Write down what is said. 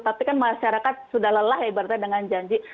tapi kan masyarakat sudah lelah ya berarti dengan janji